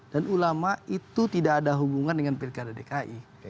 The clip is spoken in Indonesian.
dan ulama itu tidak ada hubungan dengan pilkara dki